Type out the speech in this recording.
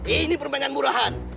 ini permainan murahan